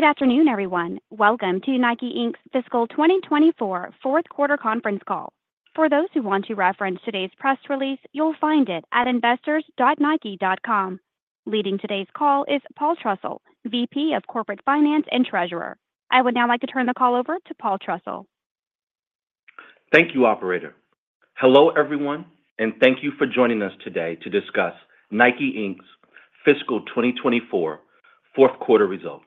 Good afternoon, everyone. Welcome to NIKE, Inc.'s fiscal 2024 fourth quarter conference call. For those who want to reference today's press release, you'll find it at investors.nike.com. Leading today's call is Paul Trussell, VP, Corporate Finance and Treasurer. I would now like to turn the call over to Paul Trussell. Thank you, Operator. Hello, everyone, and thank you for joining us today to discuss NIKE, Inc.'s fiscal 2024 fourth quarter results.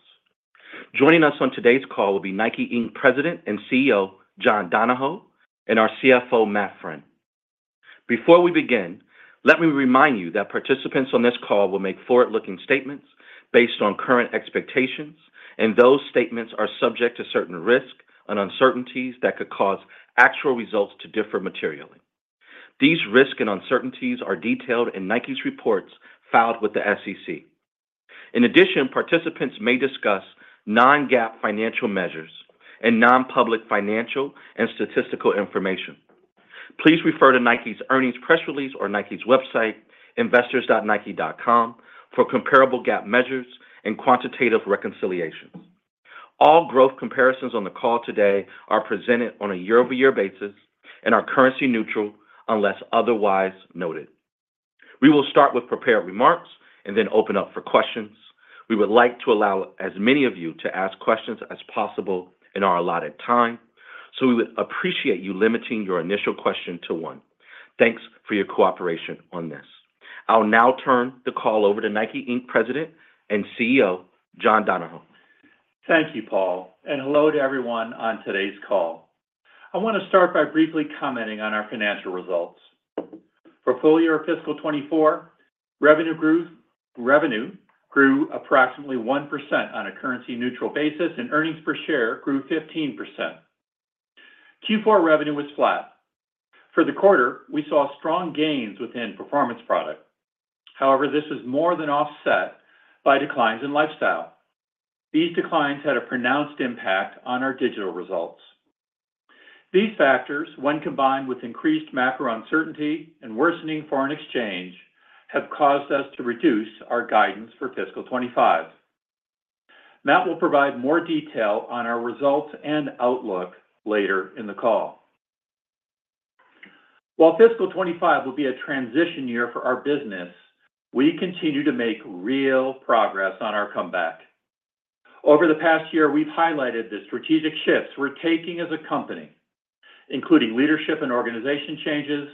Joining us on today's call will be NIKE, Inc. President and CEO, John Donahoe, and our CFO, Matt Friend. Before we begin, let me remind you that participants on this call will make forward-looking statements based on current expectations, and those statements are subject to certain risks and uncertainties that could cause actual results to differ materially. These risks and uncertainties are detailed in NIKE's reports filed with the SEC. In addition, participants may discuss non-GAAP financial measures and non-public financial and statistical information. Please refer to NIKE's earnings press release or NIKE's website, investors.nike.com, for comparable GAAP measures and quantitative reconciliations. All growth comparisons on the call today are presented on a year-over-year basis and are currency-neutral unless otherwise noted. We will start with prepared remarks and then open up for questions. We would like to allow as many of you to ask questions as possible in our allotted time, so we would appreciate you limiting your initial question to one. Thanks for your cooperation on this. I'll now turn the call over to NIKE, Inc. President and CEO, John Donahoe. Thank you, Paul, and hello to everyone on today's call. I want to start by briefly commenting on our financial results. For full year fiscal 2024, revenue grew approximately 1% on a currency-neutral basis, and earnings per share grew 15%. Q4 revenue was flat. For the quarter, we saw strong gains within performance product. However, this was more than offset by declines in lifestyle. These declines had a pronounced impact on our digital results. These factors, when combined with increased macro uncertainty and worsening foreign exchange, have caused us to reduce our guidance for fiscal 2025. Matt will provide more detail on our results and outlook later in the call. While fiscal 2025 will be a transition year for our business, we continue to make real progress on our comeback. Over the past year, we've highlighted the strategic shifts we're taking as a company, including leadership and organization changes,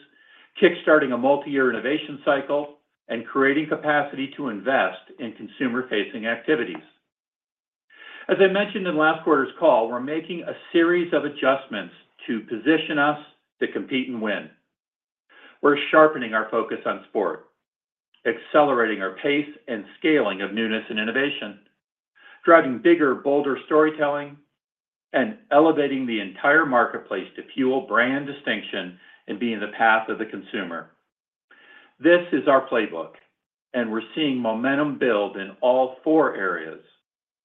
kickstarting a multi-year innovation cycle, and creating capacity to invest in consumer-facing activities. As I mentioned in last quarter's call, we're making a series of adjustments to position us to compete and win. We're sharpening our focus on sport, accelerating our pace and scaling of newness and innovation, driving bigger, bolder storytelling, and elevating the entire marketplace to fuel brand distinction and be in the path of the consumer. This is our playbook, and we're seeing momentum build in all four areas,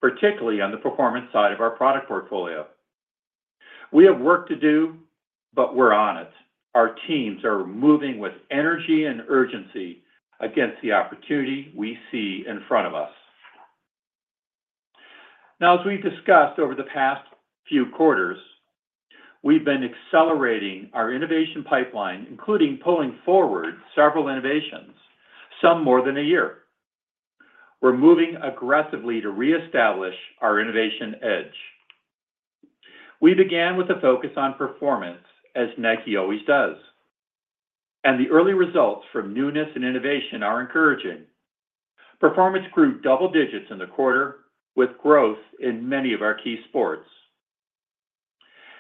particularly on the performance side of our product portfolio. We have work to do, but we're on it. Our teams are moving with energy and urgency against the opportunity we see in front of us. Now, as we've discussed over the past few quarters, we've been accelerating our innovation pipeline, including pulling forward several innovations, some more than a year. We're moving aggressively to reestablish our innovation edge. We began with a focus on performance, as Nike always does, and the early results from newness and innovation are encouraging. Performance grew double digits in the quarter, with growth in many of our key sports.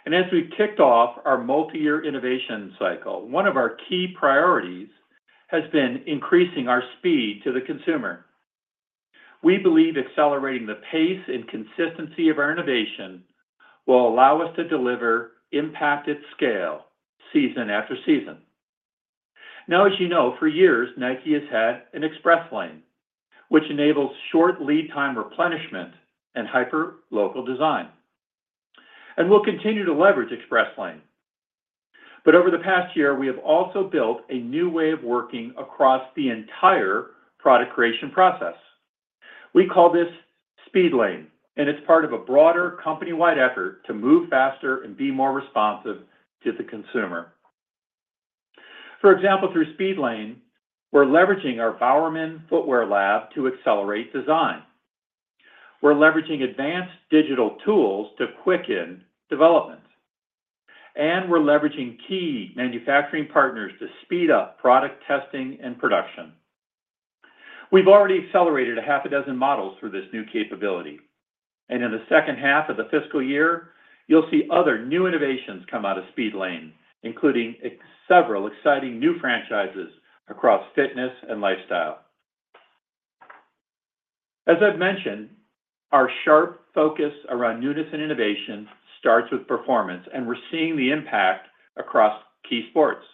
As we've kicked off our multi-year innovation cycle, one of our key priorities has been increasing our speed to the consumer. We believe accelerating the pace and consistency of our innovation will allow us to deliver impact at scale, season after season. Now, as you know, for years, Nike has had an Express Lane, which enables short lead time replenishment and hyper-local design. We'll continue to leverage Express Lane. But over the past year, we have also built a new way of working across the entire product creation process. We call this Speed Lane, and it's part of a broader company-wide effort to move faster and be more responsive to the consumer. For example, through Speed Lane, we're leveraging our Bowerman Footwear Lab to accelerate design. We're leveraging advanced digital tools to quicken development. And we're leveraging key manufacturing partners to speed up product testing and production. We've already accelerated a half a dozen models through this new capability. And in the second half of the fiscal year, you'll see other new innovations come out of Speed Lane, including several exciting new franchises across fitness and lifestyle. As I've mentioned, our sharp focus around newness and innovation starts with performance, and we're seeing the impact across key sports.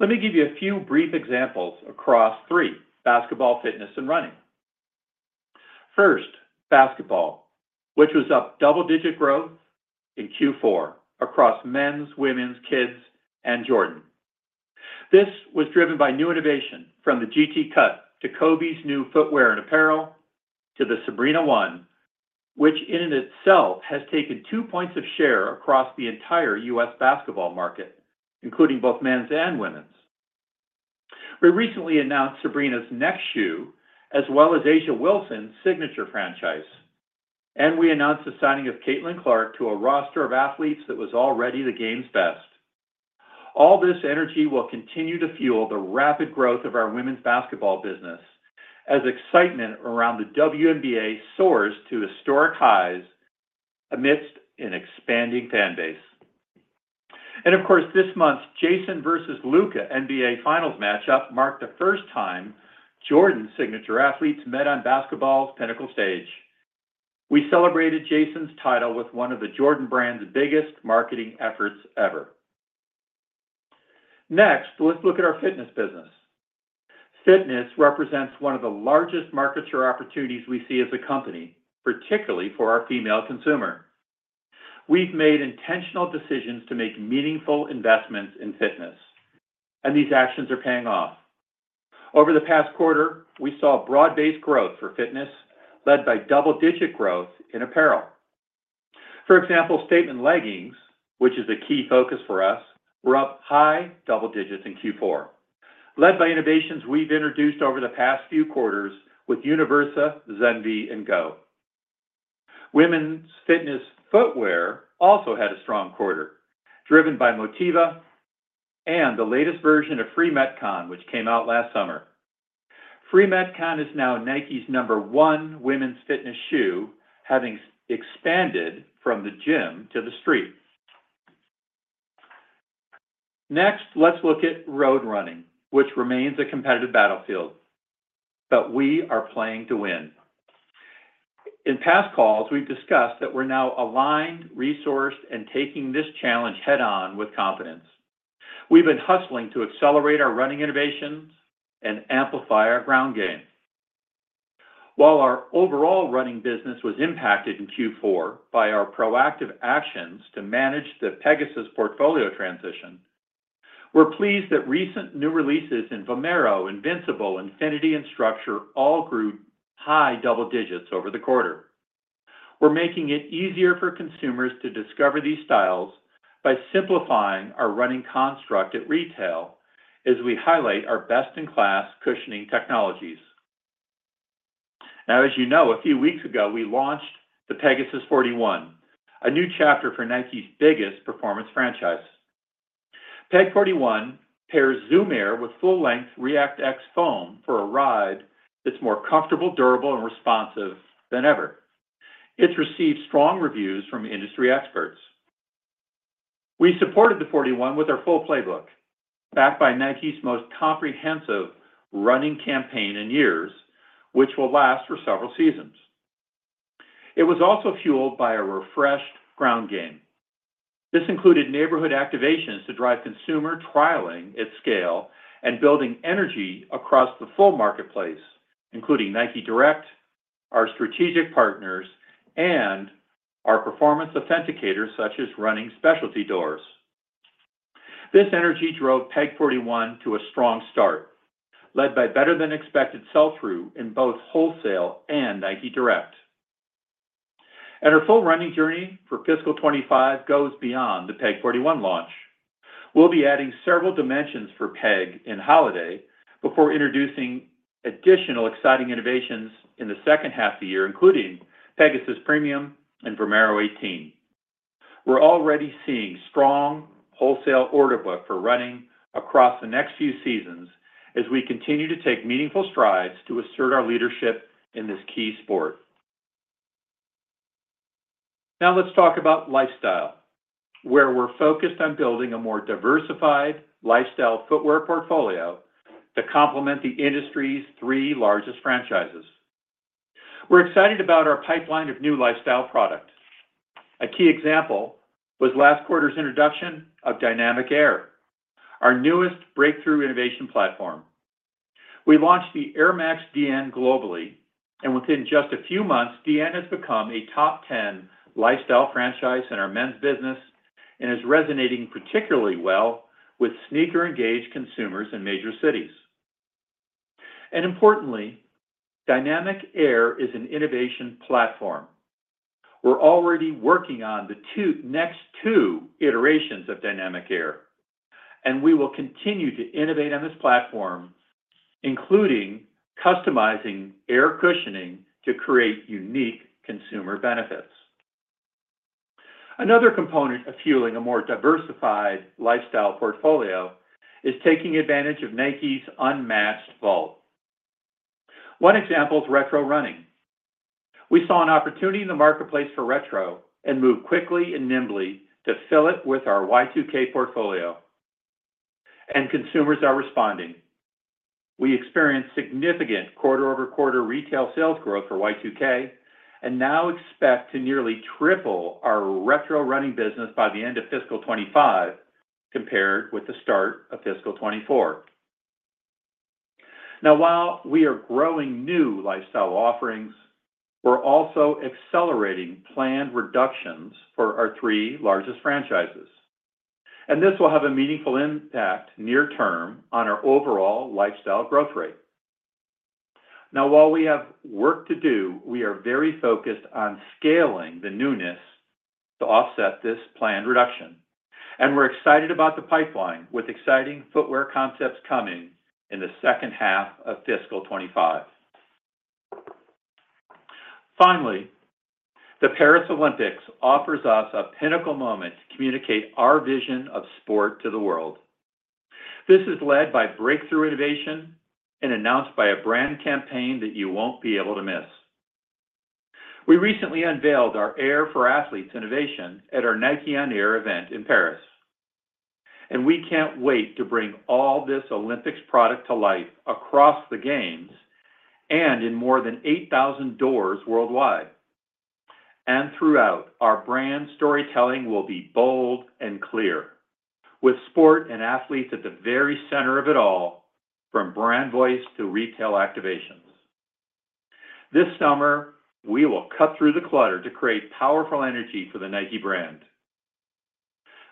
Let me give you a few brief examples across three: basketball, fitness, and running. First, basketball, which was up double-digit growth in Q4 across men's, women's, kids, and Jordan. This was driven by new innovation from the G.T. Cut to Kobe footwear and apparel to the Sabrina 1, which in and of itself has taken two points of share across the entire U.S. basketball market, including both men's and women's. We recently announced Sabrina's next shoe, as well as A’ja Wilson’s signature franchise. We announced the signing of Caitlin Clark to a roster of athletes that was already the game's best. All this energy will continue to fuel the rapid growth of our women's basketball business as excitement around the WNBA soars to historic highs amidst an expanding fan base. Of course, this month's Jayson versus Luka NBA Finals matchup marked the first time Jordan's signature athletes met on basketball's pinnacle stage. We celebrated Jayson's title with one of the Jordan Brand's biggest marketing efforts ever. Next, let's look at our fitness business. Fitness represents one of the largest market share opportunities we see as a company, particularly for our female consumer. We've made intentional decisions to make meaningful investments in fitness, and these actions are paying off. Over the past quarter, we saw broad-based growth for fitness, led by double-digit growth in apparel. For example, statement leggings, which is a key focus for us, were up high double digits in Q4, led by innovations we've introduced over the past few quarters with Universa, Zenvy, and Go. Women's fitness footwear also had a strong quarter, driven by Motiva and the latest version of Free Metcon, which came out last summer. Free Metcon is now Nike's number one women's fitness shoe, having expanded from the gym to the street. Next, let's look at road running, which remains a competitive battlefield, but we are playing to win. In past calls, we've discussed that we're now aligned, resourced, and taking this challenge head-on with confidence. We've been hustling to accelerate our running innovations and amplify our ground game. While our overall running business was impacted in Q4 by our proactive actions to manage the Pegasus portfolio transition, we're pleased that recent new releases in Vomero, Invincible, Infinity, and Structure all grew high double digits over the quarter. We're making it easier for consumers to discover these styles by simplifying our running construct at retail as we highlight our best-in-class cushioning technologies. Now, as you know, a few weeks ago, we launched the Pegasus 41, a new chapter for Nike's biggest performance franchise. Peg 41 pairs Zoom Air with full-length ReactX foam for a ride that's more comfortable, durable, and responsive than ever. It's received strong reviews from industry experts. We supported the 41 with our full playbook, backed by Nike's most comprehensive running campaign in years, which will last for several seasons. It was also fueled by a refreshed ground game. This included neighborhood activations to drive consumer trialing at scale and building energy across the full marketplace, including Nike Direct, our strategic partners, and our performance authenticators, such as running specialty stores. This energy drove Pegasus 41 to a strong start, led by better-than-expected sell-through in both wholesale and Nike Direct. Our full running journey for fiscal 2025 goes beyond the Pegasus 41 launch. We'll be adding several dimensions for Pegasus in Holiday before introducing additional exciting innovations in the second half of the year, including Pegasus Premium and Vomero 18. We're already seeing strong wholesale order book for running across the next few seasons as we continue to take meaningful strides to assert our leadership in this key sport. Now, let's talk about lifestyle, where we're focused on building a more diversified lifestyle footwear portfolio to complement the industry's three largest franchises. We're excited about our pipeline of new lifestyle products. A key example was last quarter's introduction of Dynamic Air, our newest breakthrough innovation platform. We launched the Air Max Dn globally, and within just a few months, Dn has become a top 10 lifestyle franchise in our men's business and is resonating particularly well with sneaker-engaged consumers in major cities. Importantly, Dynamic Air is an innovation platform. We're already working on the next two iterations of Dynamic Air, and we will continue to innovate on this platform, including customizing air cushioning to create unique consumer benefits. Another component of fueling a more diversified lifestyle portfolio is taking advantage of Nike's unmatched vault. One example is retro running. We saw an opportunity in the marketplace for retro and moved quickly and nimbly to fill it with our Y2K portfolio. Consumers are responding. We experienced significant quarter-over-quarter retail sales growth for Y2K and now expect to nearly triple our retro running business by the end of fiscal 2025 compared with the start of fiscal 2024. Now, while we are growing new lifestyle offerings, we're also accelerating planned reductions for our three largest franchises. This will have a meaningful impact near-term on our overall lifestyle growth rate. Now, while we have work to do, we are very focused on scaling the newness to offset this planned reduction. We're excited about the pipeline with exciting footwear concepts coming in the second half of fiscal 2025. Finally, the Paris Olympics offers us a pinnacle moment to communicate our vision of sport to the world. This is led by breakthrough innovation and announced by a brand campaign that you won't be able to miss. We recently unveiled our Air for Athletes innovation at our Nike on Air event in Paris. We can't wait to bring all this Olympics product to life across the games and in more than 8,000 doors worldwide. Throughout, our brand storytelling will be bold and clear, with sport and athletes at the very center of it all, from brand voice to retail activations. This summer, we will cut through the clutter to create powerful energy for the Nike brand.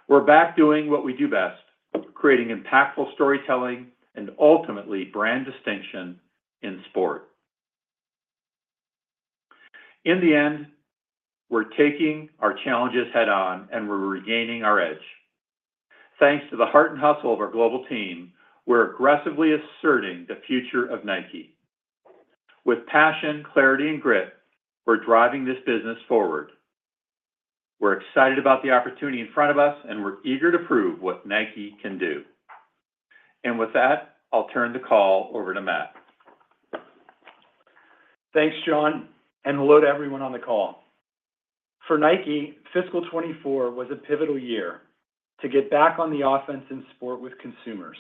We're back doing what we do best, creating impactful storytelling and ultimately brand distinction in sport. In the end, we're taking our challenges head-on and we're regaining our edge. Thanks to the heart and hustle of our global team, we're aggressively asserting the future of Nike. With passion, clarity, and grit, we're driving this business forward. We're excited about the opportunity in front of us, and we're eager to prove what Nike can do. With that, I'll turn the call over to Matt. Thanks, John, and hello to everyone on the call. For Nike, fiscal 2024 was a pivotal year to get back on the offense in sport with consumers,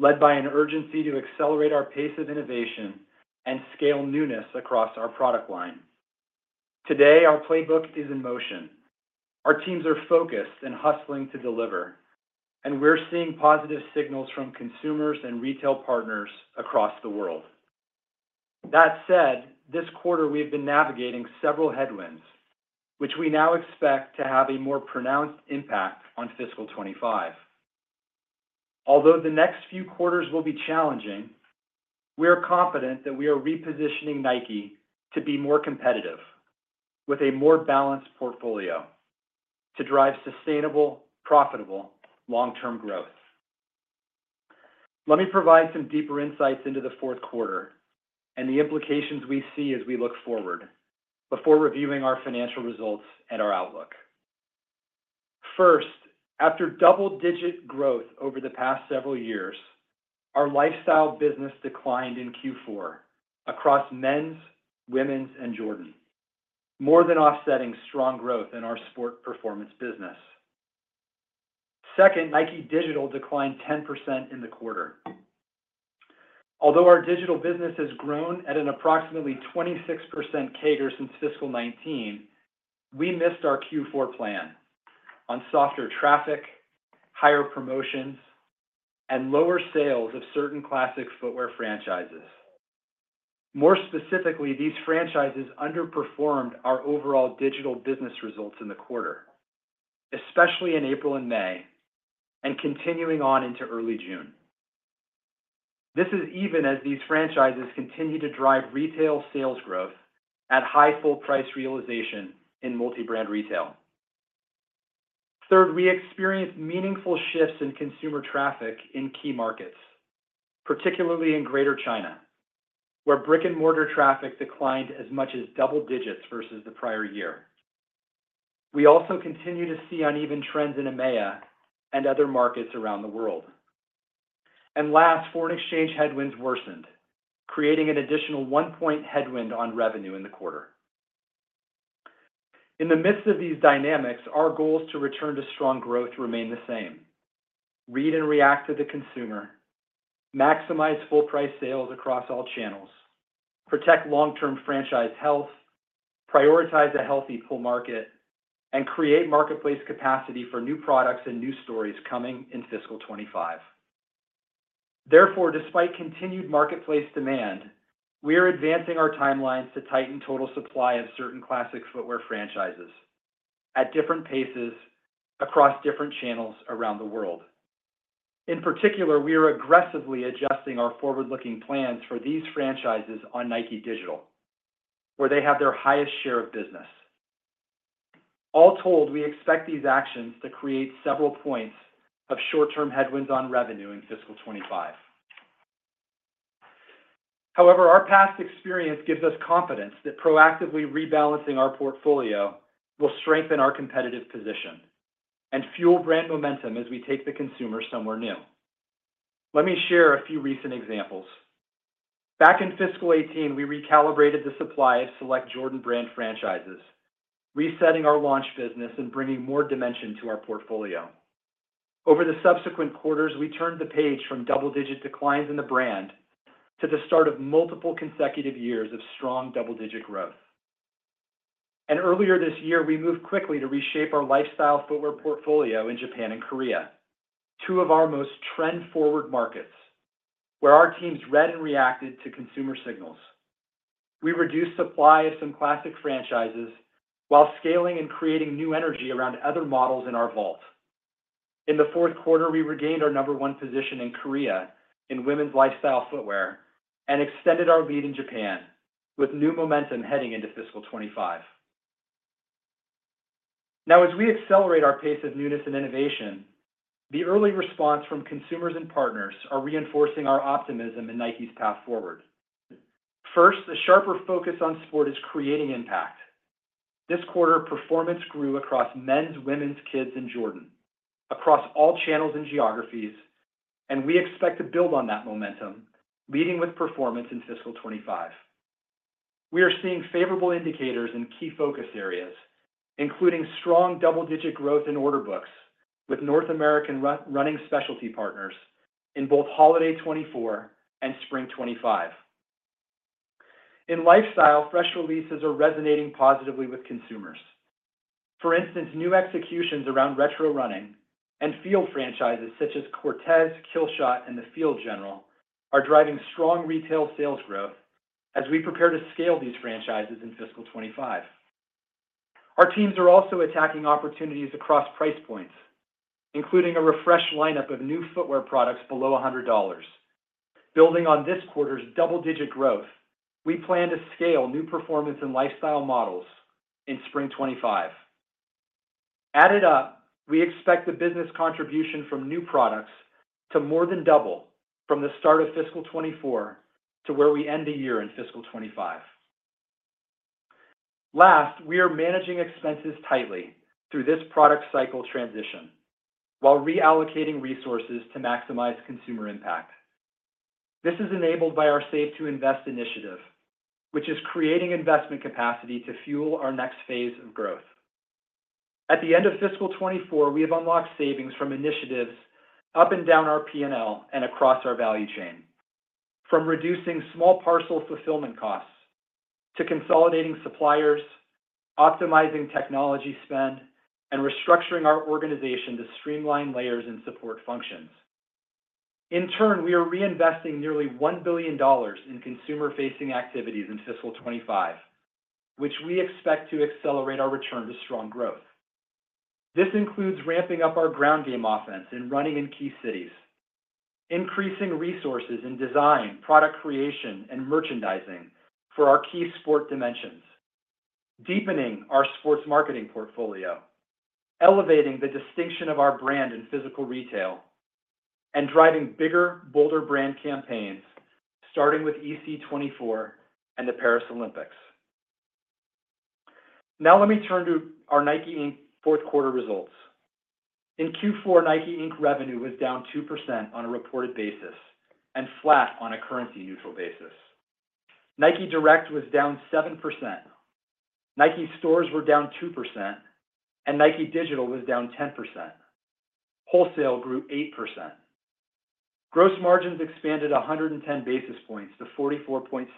led by an urgency to accelerate our pace of innovation and scale newness across our product line. Today, our playbook is in motion. Our teams are focused and hustling to deliver, and we're seeing positive signals from consumers and retail partners across the world. That said, this quarter, we have been navigating several headwinds, which we now expect to have a more pronounced impact on fiscal 2025. Although the next few quarters will be challenging, we are confident that we are repositioning Nike to be more competitive with a more balanced portfolio to drive sustainable, profitable, long-term growth. Let me provide some deeper insights into the fourth quarter and the implications we see as we look forward before reviewing our financial results and our outlook. First, after double-digit growth over the past several years, our lifestyle business declined in Q4 across men's, women's, and Jordan, more than offsetting strong growth in our sport performance business. Second, Nike Digital declined 10% in the quarter. Although our digital business has grown at an approximately 26% CAGR since fiscal 2019, we missed our Q4 plan on softer traffic, higher promotions, and lower sales of certain classic footwear franchises. More specifically, these franchises underperformed our overall digital business results in the quarter, especially in April and May, and continuing on into early June. This is even as these franchises continue to drive retail sales growth at high full-price realization in multi-brand retail. Third, we experienced meaningful shifts in consumer traffic in key markets, particularly in Greater China, where brick-and-mortar traffic declined as much as double digits versus the prior year. We also continue to see uneven trends in EMEA and other markets around the world. And last, foreign exchange headwinds worsened, creating an additional one-point headwind on revenue in the quarter. In the midst of these dynamics, our goals to return to strong growth remain the same: read and react to the consumer, maximize full-price sales across all channels, protect long-term franchise health, prioritize a healthy full market, and create marketplace capacity for new products and new stories coming in fiscal 2025. Therefore, despite continued marketplace demand, we are advancing our timelines to tighten total supply of certain classic footwear franchises at different paces across different channels around the world. In particular, we are aggressively adjusting our forward-looking plans for these franchises on Nike Digital, where they have their highest share of business. All told, we expect these actions to create several points of short-term headwinds on revenue in fiscal 2025. However, our past experience gives us confidence that proactively rebalancing our portfolio will strengthen our competitive position and fuel brand momentum as we take the consumer somewhere new. Let me share a few recent examples. Back in fiscal 2018, we recalibrated the supply of select Jordan Brand franchises, resetting our launch business and bringing more dimension to our portfolio. Over the subsequent quarters, we turned the page from double-digit declines in the brand to the start of multiple consecutive years of strong double-digit growth. And earlier this year, we moved quickly to reshape our lifestyle footwear portfolio in Japan and Korea, two of our most trend-forward markets, where our teams read and reacted to consumer signals. We reduced supply of some classic franchises while scaling and creating new energy around other models in our vault. In the fourth quarter, we regained our number one position in Korea in women's lifestyle footwear and extended our lead in Japan, with new momentum heading into fiscal 2025. Now, as we accelerate our pace of newness and innovation, the early response from consumers and partners is reinforcing our optimism in Nike's path forward. First, a sharper focus on sport is creating impact. This quarter, performance grew across men's, women's, kids, and Jordan, across all channels and geographies, and we expect to build on that momentum, leading with performance in fiscal 2025. We are seeing favorable indicators in key focus areas, including strong double-digit growth in order books with North American running specialty partners in both Holiday 2024 and Spring 2025. In lifestyle, fresh releases are resonating positively with consumers. For instance, new executions around retro running and field franchises such as Cortez, Killshot, and the Field General are driving strong retail sales growth as we prepare to scale these franchises in fiscal 2025. Our teams are also attacking opportunities across price points, including a refreshed lineup of new footwear products below $100. Building on this quarter's double-digit growth, we plan to scale new performance and lifestyle models in Spring 2025. Added up, we expect the business contribution from new products to more than double from the start of fiscal 2024 to where we end the year in fiscal 2025. Last, we are managing expenses tightly through this product cycle transition while reallocating resources to maximize consumer impact. This is enabled by our Save to Invest initiative, which is creating investment capacity to fuel our next phase of growth. At the end of fiscal 2024, we have unlocked savings from initiatives up and down our P&L and across our value chain, from reducing small parcel fulfillment costs to consolidating suppliers, optimizing technology spend, and restructuring our organization to streamline layers and support functions. In turn, we are reinvesting nearly $1 billion in consumer-facing activities in fiscal 2025, which we expect to accelerate our return to strong growth. This includes ramping up our ground game offense and running in key cities, increasing resources in design, product creation, and merchandising for our key sport dimensions, deepening our sports marketing portfolio, elevating the distinction of our brand in physical retail, and driving bigger, bolder brand campaigns, starting with EC24 and the Paris Olympics. Now, let me turn to our NIKE, Inc. fourth quarter results. In Q4, NIKE, Inc. revenue was down 2% on a reported basis and flat on a currency-neutral basis. Nike Direct was down 7%. Nike stores were down 2%, and Nike Digital was down 10%. Wholesale grew 8%. Gross margins expanded 110 basis points to 44.7%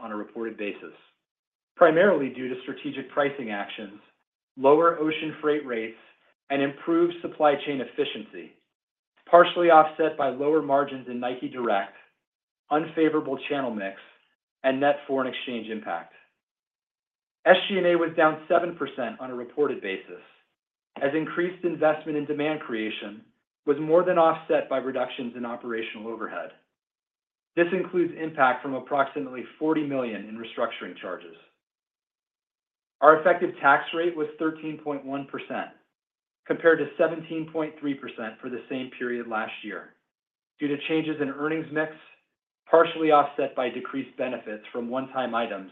on a reported basis, primarily due to strategic pricing actions, lower ocean freight rates, and improved supply chain efficiency, partially offset by lower margins in Nike Direct, unfavorable channel mix, and net foreign exchange impact. SG&A was down 7% on a reported basis, as increased investment in demand creation was more than offset by reductions in operational overhead. This includes impact from approximately $40 million in restructuring charges. Our effective tax rate was 13.1% compared to 17.3% for the same period last year due to changes in earnings mix, partially offset by decreased benefits from one-time items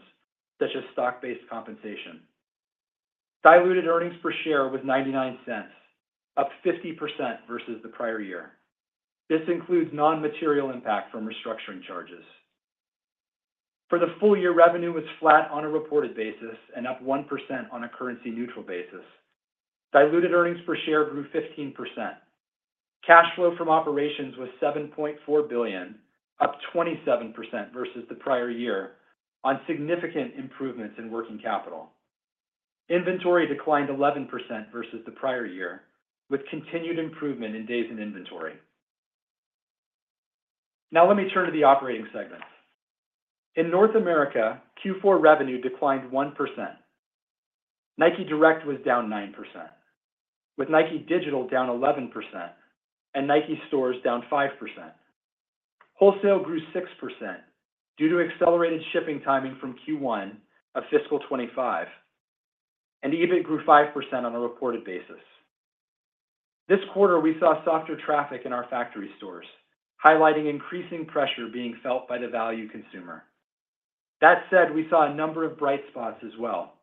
such as stock-based compensation. Diluted earnings per share was $0.99, up 50% versus the prior year. This includes non-material impact from restructuring charges. For the full year, revenue was flat on a reported basis and up 1% on a currency-neutral basis. Diluted earnings per share grew 15%. Cash flow from operations was $7.4 billion, up 27% versus the prior year on significant improvements in working capital. Inventory declined 11% versus the prior year, with continued improvement in days in inventory. Now, let me turn to the operating segments. In North America, Q4 revenue declined 1%. Nike Direct was down 9%, with Nike Digital down 11% and Nike stores down 5%. Wholesale grew 6% due to accelerated shipping timing from Q1 of fiscal 2025, and EBIT grew 5% on a reported basis. This quarter, we saw softer traffic in our factory stores, highlighting increasing pressure being felt by the value consumer. That said, we saw a number of bright spots as well,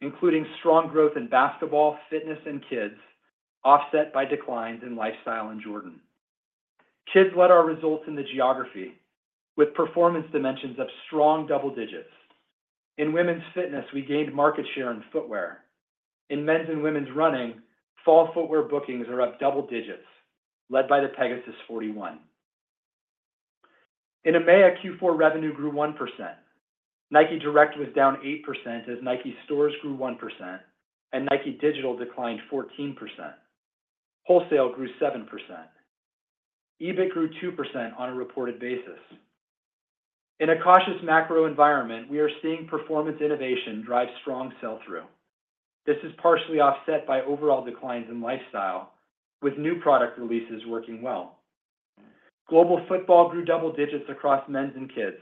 including strong growth in basketball, fitness, and kids, offset by declines in lifestyle and Jordan. Kids led our results in the geography, with performance dimensions of strong double digits. In women's fitness, we gained market share in footwear. In men's and women's running, fall footwear bookings are up double digits, led by the Pegasus 41. In EMEA, Q4 revenue grew 1%. Nike Direct was down 8% as Nike stores grew 1%, and Nike Digital declined 14%. Wholesale grew 7%. EBITDA grew 2% on a reported basis. In a cautious macro environment, we are seeing performance innovation drive strong sell-through. This is partially offset by overall declines in lifestyle, with new product releases working well. Global football grew double digits across men's and kids.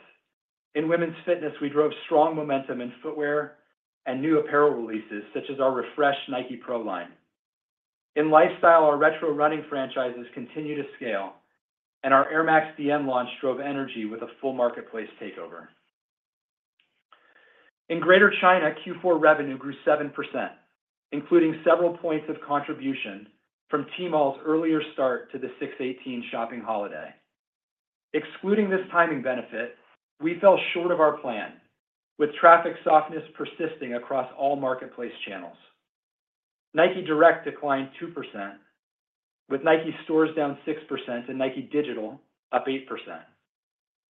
In women's fitness, we drove strong momentum in footwear and new apparel releases such as our refreshed Nike Pro line. In lifestyle, our retro running franchises continue to scale, and our Air Max Dn launch drove energy with a full marketplace takeover. In Greater China, Q4 revenue grew 7%, including several points of contribution from Tmall's earlier start to the 6.18 shopping holiday. Excluding this timing benefit, we fell short of our plan, with traffic softness persisting across all marketplace channels. Nike Direct declined 2%, with Nike stores down 6% and Nike Digital up 8%.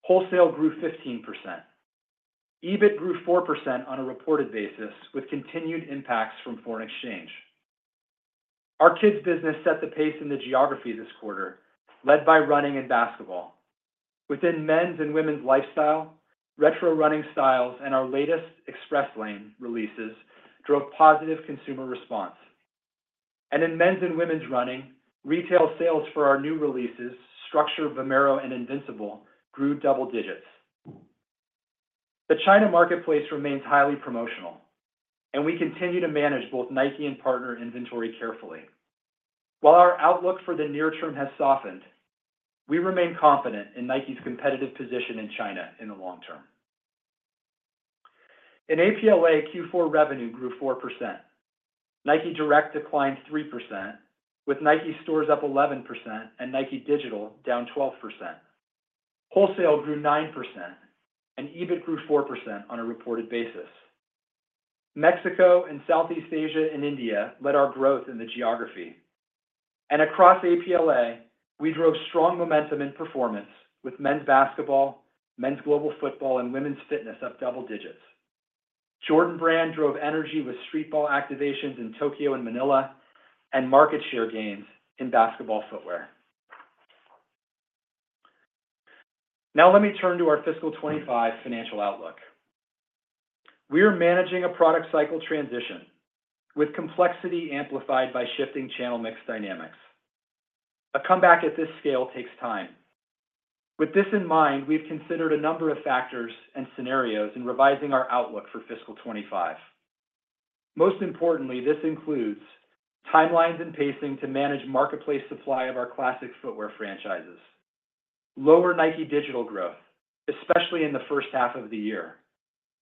Wholesale grew 15%. EBITDA grew 4% on a reported basis, with continued impacts from foreign exchange. Our kids' business set the pace in the geography this quarter, led by running and basketball. Within men's and women's lifestyle, retro running styles and our latest Express Lane releases drove positive consumer response. In men's and women's running, retail sales for our new releases, Structure, Vomero, and Invincible, grew double digits. The China marketplace remains highly promotional, and we continue to manage both Nike and partner inventory carefully. While our outlook for the near term has softened, we remain confident in Nike's competitive position in China in the long term. In APLA, Q4 revenue grew 4%. Nike Direct declined 3%, with Nike stores up 11% and Nike Digital down 12%. Wholesale grew 9%, and EBITDA grew 4% on a reported basis. Mexico and Southeast Asia and India led our growth in the geography. Across APLA, we drove strong momentum in performance, with men's basketball, men's global football, and women's fitness up double digits. Jordan Brand drove energy with streetball activations in Tokyo and Manila and market share gains in basketball footwear. Now, let me turn to our fiscal 2025 financial outlook. We are managing a product cycle transition, with complexity amplified by shifting channel mix dynamics. A comeback at this scale takes time. With this in mind, we've considered a number of factors and scenarios in revising our outlook for fiscal 2025. Most importantly, this includes timelines and pacing to manage marketplace supply of our classic footwear franchises. Lower Nike Digital growth, especially in the first half of the year,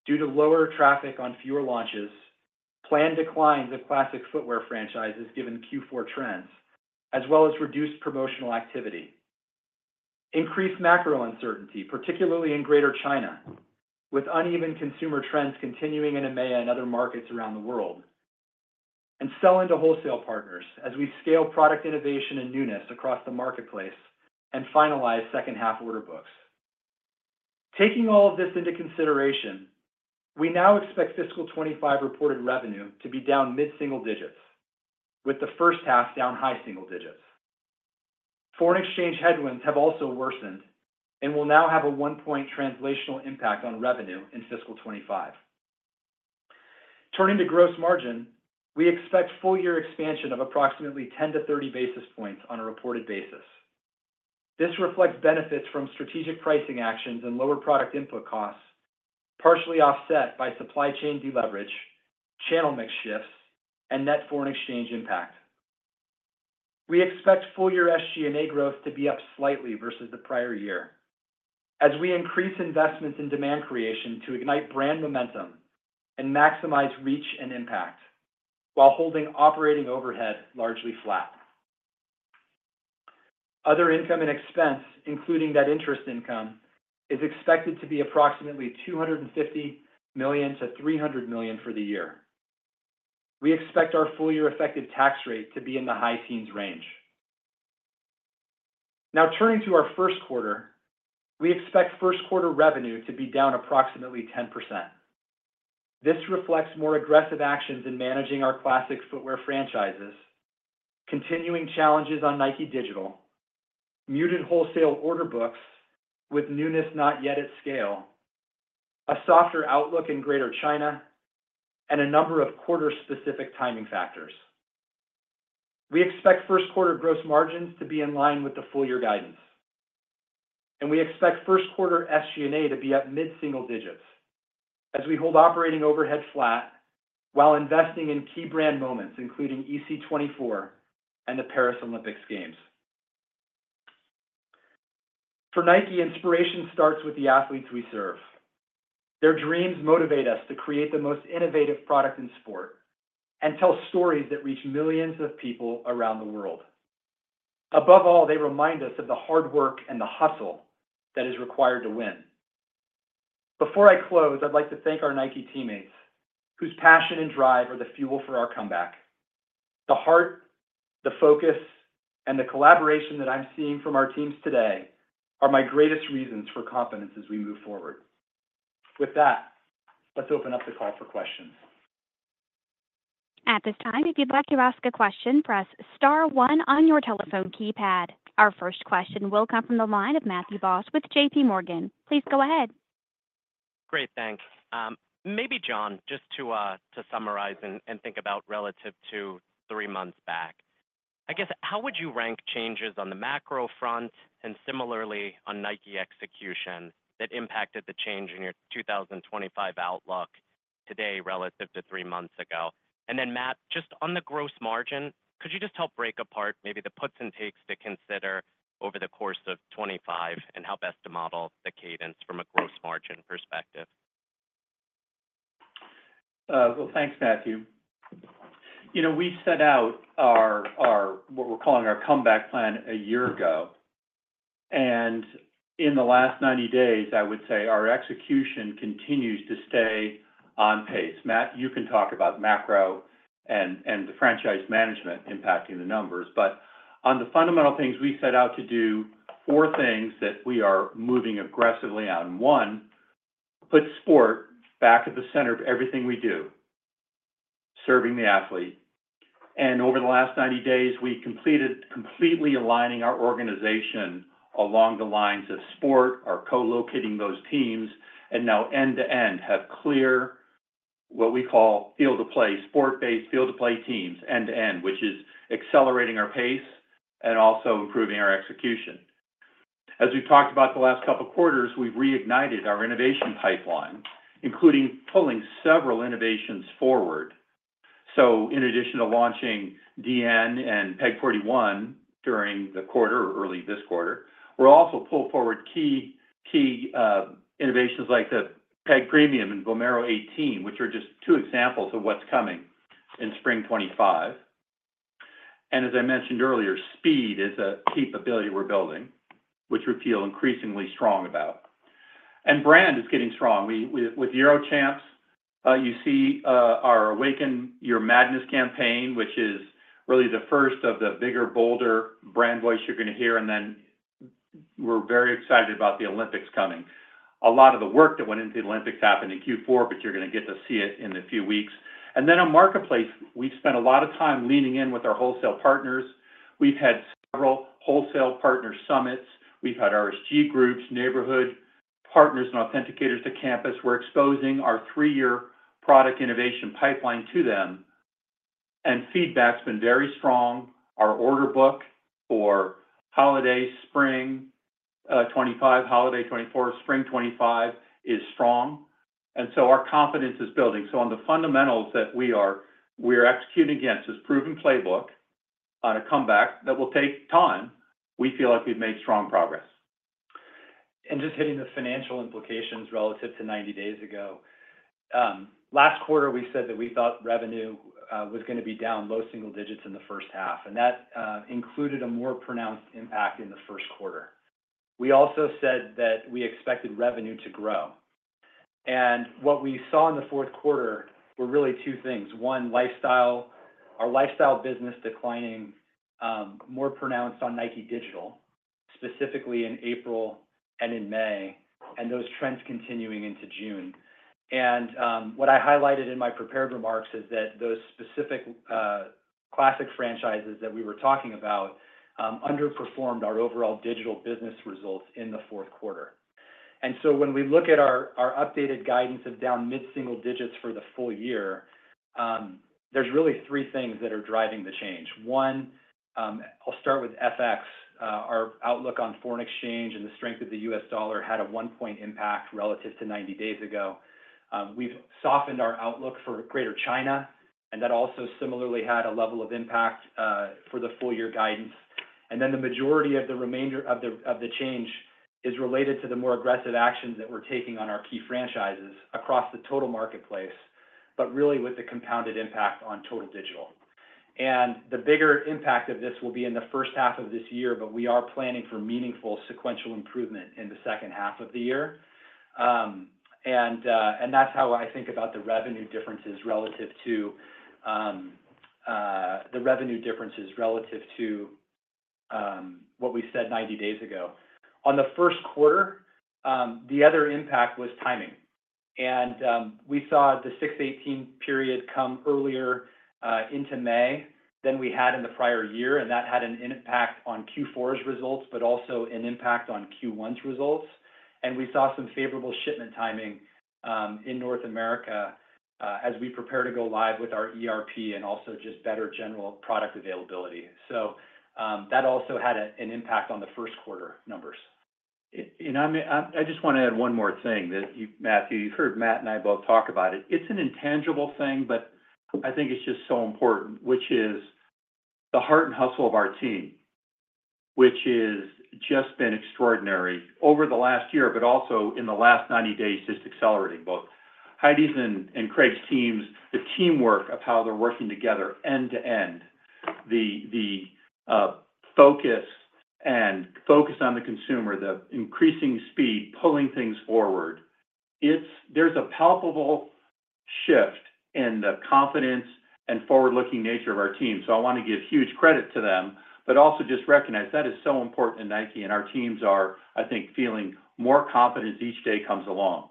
due to lower traffic on fewer launches, planned declines of classic footwear franchises given Q4 trends, as well as reduced promotional activity. Increased macro uncertainty, particularly in Greater China, with uneven consumer trends continuing in EMEA and other markets around the world, and sell into wholesale partners as we scale product innovation and newness across the marketplace and finalize second-half order books. Taking all of this into consideration, we now expect fiscal 2025 reported revenue to be down mid-single digits, with the first half down high single digits. Foreign exchange headwinds have also worsened and will now have a 1-point translational impact on revenue in fiscal 2025. Turning to gross margin, we expect full-year expansion of approximately 10-30 basis points on a reported basis. This reflects benefits from strategic pricing actions and lower product input costs, partially offset by supply chain deleverage, channel mix shifts, and net foreign exchange impact. We expect full-year SG&A growth to be up slightly versus the prior year as we increase investments in demand creation to ignite brand momentum and maximize reach and impact while holding operating overhead largely flat. Other income and expense, including net interest income, is expected to be approximately $250 million-$300 million for the year. We expect our full-year effective tax rate to be in the high teens range. Now, turning to our first quarter, we expect first-quarter revenue to be down approximately 10%. This reflects more aggressive actions in managing our classic footwear franchises, continuing challenges on Nike Digital, muted wholesale order books with newness not yet at scale, a softer outlook in Greater China, and a number of quarter-specific timing factors. We expect first-quarter gross margins to be in line with the full-year guidance, and we expect first-quarter SG&A to be up mid-single digits as we hold operating overhead flat while investing in key brand moments, including EC24 and the Paris Olympics games. For Nike, inspiration starts with the athletes we serve. Their dreams motivate us to create the most innovative product in sport and tell stories that reach millions of people around the world. Above all, they remind us of the hard work and the hustle that is required to win. Before I close, I'd like to thank our Nike teammates, whose passion and drive are the fuel for our comeback. The heart, the focus, and the collaboration that I'm seeing from our teams today are my greatest reasons for confidence as we move forward. With that, let's open up the call for questions. At this time, if you'd like to ask a question, press star one on your telephone keypad. Our first question will come from the line of Matthew Boss with JPMorgan. Please go ahead. Great. Thanks. Maybe John, just to summarize and think about relative to three months back, I guess, how would you rank changes on the macro front and similarly on Nike execution that impacted the change in your 2025 outlook today relative to three months ago? And then, Matt, just on the gross margin, could you just help break apart maybe the puts and takes to consider over the course of 2025 and how best to model the cadence from a gross margin perspective? Well, thanks, Matthew. We set out what we're calling our comeback plan a year ago, and in the last 90 days, I would say our execution continues to stay on pace. Matt, you can talk about macro and the franchise management impacting the numbers, but on the fundamental things we set out to do, four things that we are moving aggressively on. One, put sport back at the center of everything we do, serving the athlete. Over the last 90 days, we're completely aligning our organization along the lines of sport, we're co-locating those teams, and now end-to-end we have clear what we call Field of Play, sport-based Field of Play teams end-to-end, which is accelerating our pace and also improving our execution. As we've talked about the last couple of quarters, we've reignited our innovation pipeline, including pulling several innovations forward. So in addition to launching Dn and Peg 41 during the quarter or early this quarter, we're also pulling forward key innovations like the Peg Premium and Vomero 18, which are just two examples of what's coming in spring 2025. As I mentioned earlier, speed is a capability we're building, which we feel increasingly strong about. Brand is getting strong. With Euro Champs, you see our Awaken Your Madness campaign, which is really the first of the bigger, bolder brand voice you're going to hear, and then we're very excited about the Olympics coming. A lot of the work that went into the Olympics happened in Q4, but you're going to get to see it in a few weeks. Our marketplace, we've spent a lot of time leaning in with our wholesale partners. We've had several wholesale partner summits. We've had RSG groups, neighborhood partners, and authenticators to campus. We're exposing our three-year product innovation pipeline to them, and feedback's been very strong. Our order book for holiday spring 2025, holiday 2024, spring 2025 is strong, and so our confidence is building. So on the fundamentals that we are executing against, this proven playbook on a comeback that will take time, we feel like we've made strong progress. And just hitting the financial implications relative to 90 days ago. Last quarter, we said that we thought revenue was going to be down low single digits in the first half, and that included a more pronounced impact in the first quarter. We also said that we expected revenue to grow. What we saw in the fourth quarter were really two things. One, our lifestyle business declining more pronounced on Nike Digital, specifically in April and in May, and those trends continuing into June. What I highlighted in my prepared remarks is that those specific classic franchises that we were talking about underperformed our overall digital business results in the fourth quarter. So when we look at our updated guidance of down mid-single digits for the full year, there's really 3 things that are driving the change. One, I'll start with FX. Our outlook on foreign exchange and the strength of the U.S. dollar had a 1-point impact relative to 90 days ago. We've softened our outlook for Greater China, and that also similarly had a level of impact for the full-year guidance. And then the majority of the remainder of the change is related to the more aggressive actions that we're taking on our key franchises across the total marketplace, but really with the compounded impact on total digital. And the bigger impact of this will be in the first half of this year, but we are planning for meaningful sequential improvement in the second half of the year. And that's how I think about the revenue differences relative to the revenue differences relative to what we said 90 days ago. On the first quarter, the other impact was timing. And we saw the 6.18 period come earlier into May than we had in the prior year, and that had an impact on Q4's results, but also an impact on Q1's results. We saw some favorable shipment timing in North America as we prepare to go live with our ERP and also just better general product availability. That also had an impact on the first quarter numbers. I just want to add one more thing that, Matthew, you've heard Matt and I both talk about it. It's an intangible thing, but I think it's just so important, which is the heart and hustle of our team, which has just been extraordinary over the last year, but also in the last 90 days, just accelerating both Heidi's and Craig's teams, the teamwork of how they're working together end-to-end, the focus and focus on the consumer, the increasing speed, pulling things forward. There's a palpable shift in the confidence and forward-looking nature of our team. I want to give huge credit to them, but also just recognize that is so important in Nike, and our teams are, I think, feeling more confident as each day comes along.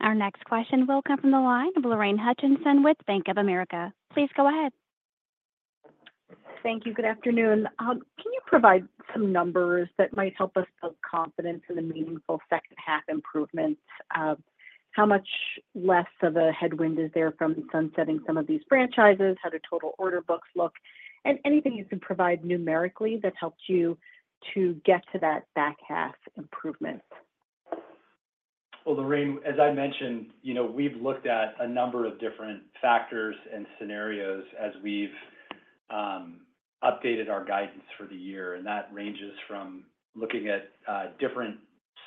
Our next question will come from the line of Lorraine Hutchinson with Bank of America. Please go ahead. Thank you. Good afternoon. Can you provide some numbers that might help us build confidence in the meaningful second-half improvements? How much less of a headwind is there from sunsetting some of these franchises? How do total order books look? And anything you can provide numerically that helps you to get to that back half improvement? Well, Lorraine, as I mentioned, we've looked at a number of different factors and scenarios as we've updated our guidance for the year, and that ranges from looking at different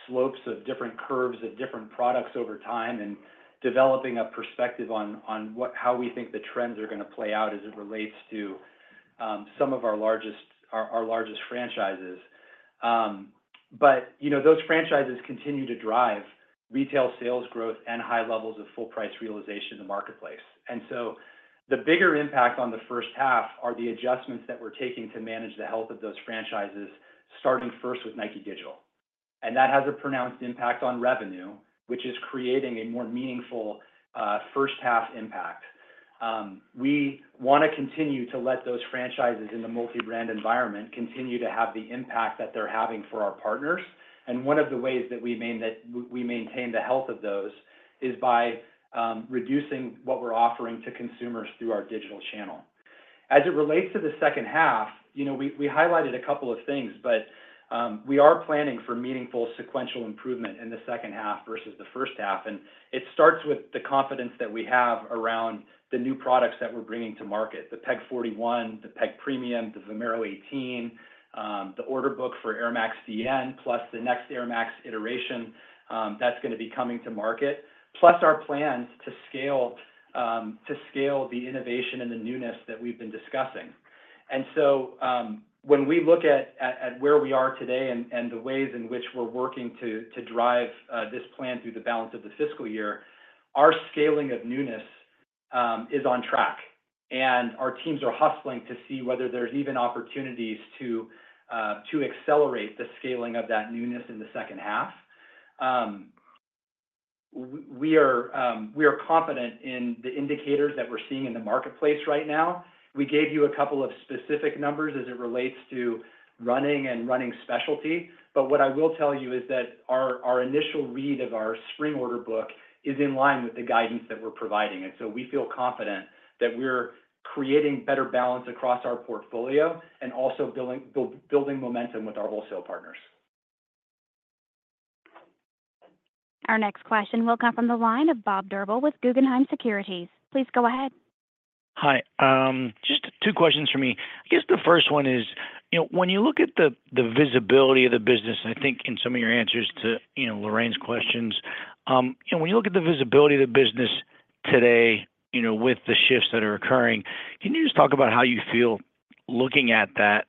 slopes of different curves of different products over time and developing a perspective on how we think the trends are going to play out as it relates to some of our largest franchises. But those franchises continue to drive retail sales growth and high levels of full-price realization in the marketplace. And so the bigger impact on the first half are the adjustments that we're taking to manage the health of those franchises, starting first with Nike Digital. And that has a pronounced impact on revenue, which is creating a more meaningful first-half impact. We want to continue to let those franchises in the multi-brand environment continue to have the impact that they're having for our partners. One of the ways that we maintain the health of those is by reducing what we're offering to consumers through our digital channel. As it relates to the second half, we highlighted a couple of things, but we are planning for meaningful sequential improvement in the second half versus the first half. It starts with the confidence that we have around the new products that we're bringing to market: the Pegasus 41, the Pegasus Premium, the Vomero 18, the order book for Air Max Dn, plus the next Air Max iteration that's going to be coming to market, plus our plans to scale the innovation and the newness that we've been discussing. When we look at where we are today and the ways in which we're working to drive this plan through the balance of the fiscal year, our scaling of newness is on track, and our teams are hustling to see whether there's even opportunities to accelerate the scaling of that newness in the second half. We are confident in the indicators that we're seeing in the marketplace right now. We gave you a couple of specific numbers as it relates to running and running specialty, but what I will tell you is that our initial read of our spring order book is in line with the guidance that we're providing. We feel confident that we're creating better balance across our portfolio and also building momentum with our wholesale partners. Our next question will come from the line of Bob Drbul with Guggenheim Securities. Please go ahead. Hi. Just two questions for me. I guess the first one is, when you look at the visibility of the business, I think in some of your answers to Lorraine's questions, when you look at the visibility of the business today with the shifts that are occurring, can you just talk about how you feel looking at that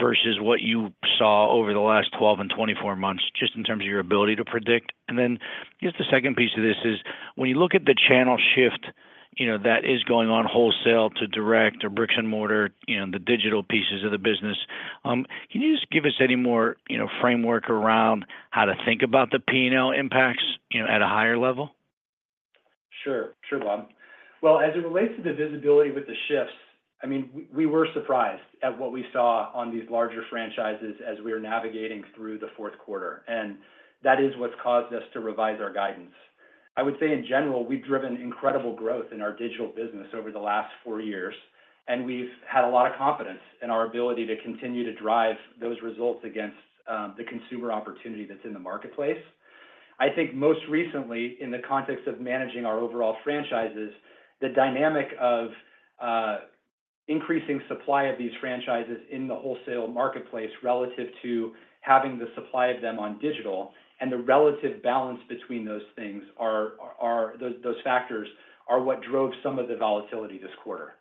versus what you saw over the last 12 and 24 months, just in terms of your ability to predict? And then just the second piece of this is, when you look at the channel shift that is going on wholesale to direct or bricks and mortar, the digital pieces of the business, can you just give us any more framework around how to think about the P&L impacts at a higher level? Sure. Sure, Bob. Well, as it relates to the visibility with the shifts, I mean, we were surprised at what we saw on these larger franchises as we were navigating through the fourth quarter, and that is what's caused us to revise our guidance. I would say, in general, we've driven incredible growth in our digital business over the last four years, and we've had a lot of confidence in our ability to continue to drive those results against the consumer opportunity that's in the marketplace. I think most recently, in the context of managing our overall franchises, the dynamic of increasing supply of these franchises in the wholesale marketplace relative to having the supply of them on digital and the relative balance between those things, those factors are what drove some of the volatility this quarter.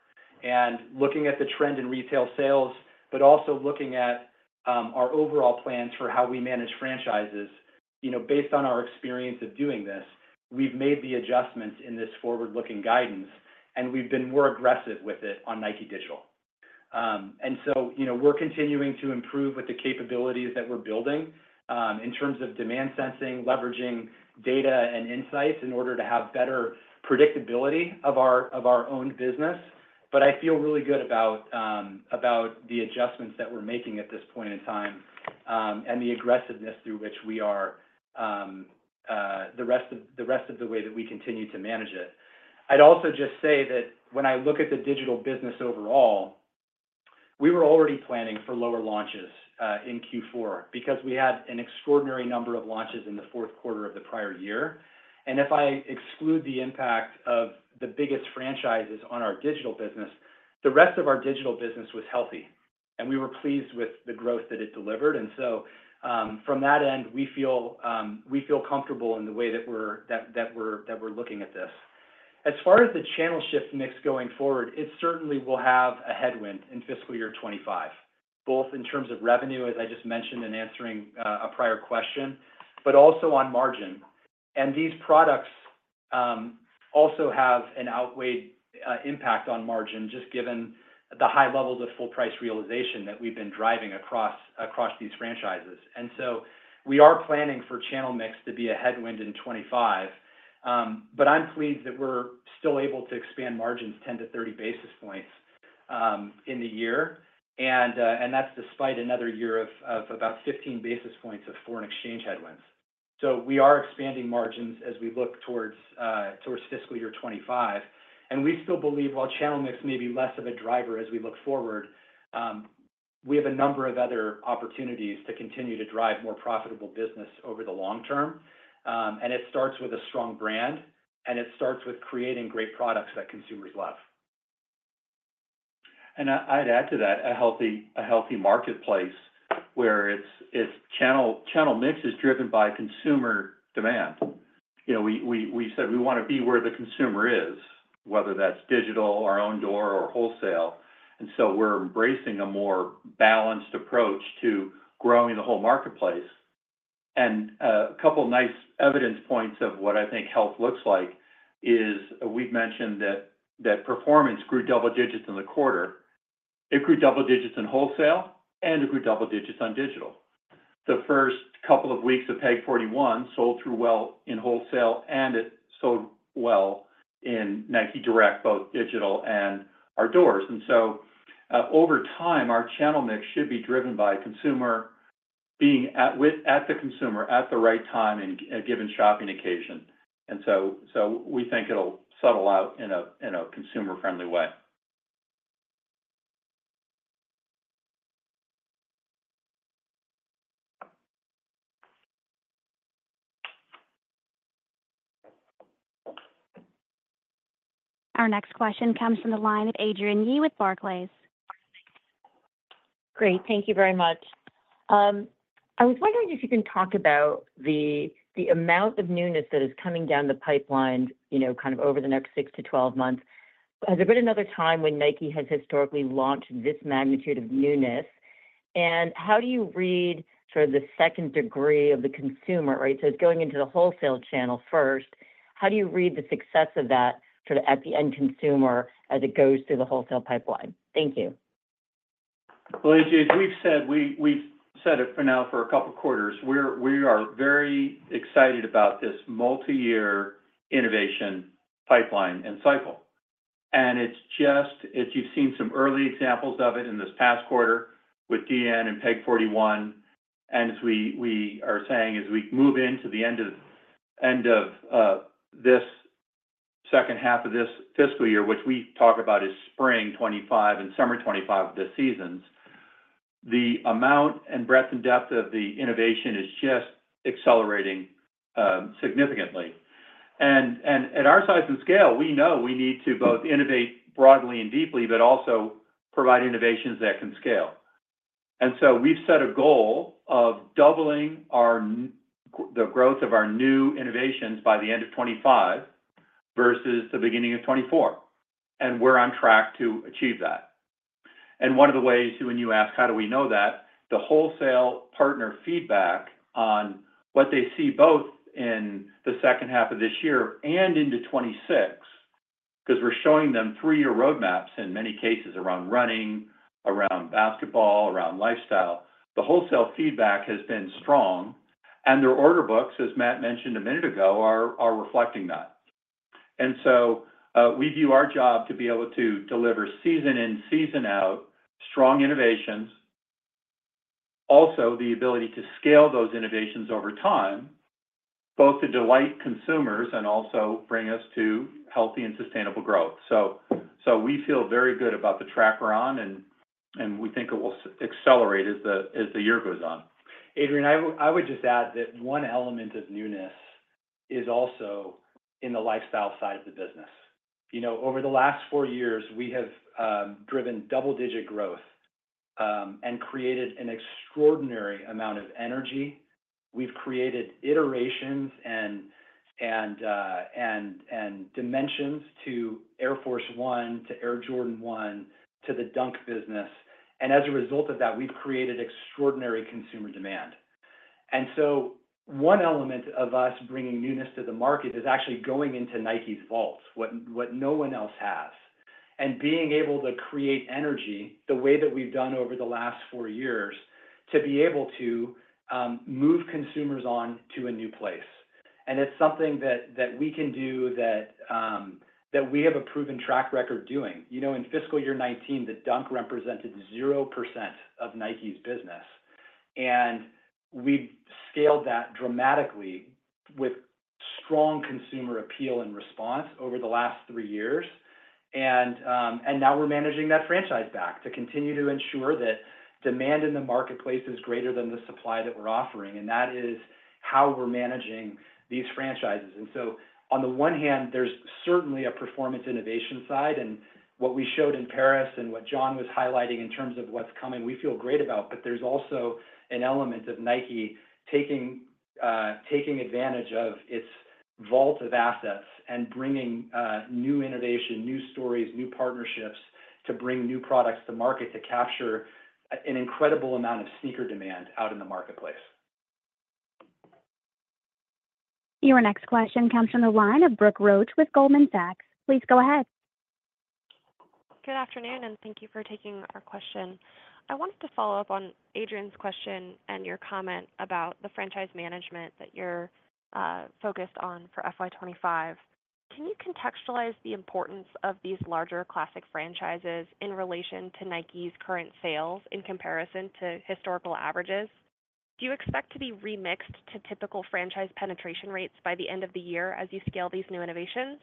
Looking at the trend in retail sales, but also looking at our overall plans for how we manage franchises, based on our experience of doing this, we've made the adjustments in this forward-looking guidance, and we've been more aggressive with it on Nike Digital. So we're continuing to improve with the capabilities that we're building in terms of demand sensing, leveraging data and insights in order to have better predictability of our own business. But I feel really good about the adjustments that we're making at this point in time and the aggressiveness through which we are the rest of the way that we continue to manage it. I'd also just say that when I look at the digital business overall, we were already planning for lower launches in Q4 because we had an extraordinary number of launches in the fourth quarter of the prior year. If I exclude the impact of the biggest franchises on our digital business, the rest of our digital business was healthy, and we were pleased with the growth that it delivered. So from that end, we feel comfortable in the way that we're looking at this. As far as the channel shift mix going forward, it certainly will have a headwind in fiscal year 2025, both in terms of revenue, as I just mentioned, in answering a prior question, but also on margin. These products also have an outsized impact on margin just given the high levels of full-price realization that we've been driving across these franchises. We are planning for channel mix to be a headwind in 2025, but I'm pleased that we're still able to expand margins 10-30 basis points in the year, and that's despite another year of about 15 basis points of foreign exchange headwinds. We are expanding margins as we look towards fiscal year 2025. We still believe, while channel mix may be less of a driver as we look forward, we have a number of other opportunities to continue to drive more profitable business over the long term. It starts with a strong brand, and it starts with creating great products that consumers love. I'd add to that a healthy marketplace where channel mix is driven by consumer demand. We said we want to be where the consumer is, whether that's digital, our own door, or wholesale. We're embracing a more balanced approach to growing the whole marketplace. A couple of nice evidence points of what I think health looks like is we've mentioned that performance grew double digits in the quarter. It grew double digits in wholesale, and it grew double digits on digital. The first couple of weeks of Pegasus 41 sold through well in wholesale, and it sold well in Nike Direct, both digital and our doors. Over time, our channel mix should be driven by consumer being at the consumer at the right time and given shopping occasion. We think it'll settle out in a consumer-friendly way. Our next question comes from the line of Adrienne Yih with Barclays. Great. Thank you very much. I was wondering if you can talk about the amount of newness that is coming down the pipeline kind of over the next 6-12 months. Has there been another time when Nike has historically launched this magnitude of newness? And how do you read sort of the second degree of the consumer, right? So it's going into the wholesale channel first. How do you read the success of that sort of at the end consumer as it goes through the wholesale pipeline? Thank you. Well, as we've said, we've said it for now for a couple of quarters. We are very excited about this multi-year innovation pipeline and cycle. And you've seen some early examples of it in this past quarter with Air Max Dn and Pegasus 41. And as we are saying, as we move into the end of this second half of this fiscal year, which we talk about as spring 2025 and summer 2025 of the seasons, the amount and breadth and depth of the innovation is just accelerating significantly. And at our size and scale, we know we need to both innovate broadly and deeply, but also provide innovations that can scale. And so we've set a goal of doubling the growth of our new innovations by the end of 2025 versus the beginning of 2024, and we're on track to achieve that. One of the ways, when you ask, "How do we know that?", the wholesale partner feedback on what they see both in the second half of this year and into 2026, because we're showing them three-year roadmaps in many cases around running, around basketball, around lifestyle, the wholesale feedback has been strong, and their order books, as Matt mentioned a minute ago, are reflecting that. And so we view our job to be able to deliver season in, season out, strong innovations, also the ability to scale those innovations over time, both to delight consumers and also bring us to healthy and sustainable growth. So we feel very good about the track we're on, and we think it will accelerate as the year goes on. Adrienne, I would just add that one element of newness is also in the lifestyle side of the business. Over the last four years, we have driven double-digit growth and created an extraordinary amount of energy. We've created iterations and dimensions to Air Force 1, to Air Jordan 1, to the Dunk business. As a result of that, we've created extraordinary consumer demand. One element of us bringing newness to the market is actually going into Nike's vaults, what no one else has, and being able to create energy the way that we've done over the last four years to be able to move consumers on to a new place. It's something that we can do that we have a proven track record doing. In fiscal year 2019, the Dunk represented 0% of Nike's business, and we've scaled that dramatically with strong consumer appeal and response over the last three years. And now we're managing that franchise back to continue to ensure that demand in the marketplace is greater than the supply that we're offering, and that is how we're managing these franchises. And so on the one hand, there's certainly a performance innovation side, and what we showed in Paris and what John was highlighting in terms of what's coming, we feel great about, but there's also an element of Nike taking advantage of its vault of assets and bringing new innovation, new stories, new partnerships to bring new products to market to capture an incredible amount of sneaker demand out in the marketplace. Your next question comes from the line of Brooke Roach with Goldman Sachs. Please go ahead. Good afternoon, and thank you for taking our question. I wanted to follow up on Adrienne's question and your comment about the franchise management that you're focused on for FY25. Can you contextualize the importance of these larger classic franchises in relation to Nike's current sales in comparison to historical averages? Do you expect to be remixed to typical franchise penetration rates by the end of the year as you scale these new innovations?